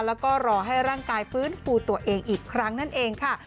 แล้วก็รอให้ร่างกายฟื้นฟูตัวเองอีกครั้งนั่นเองค่ะ